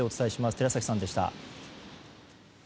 寺崎さんでした。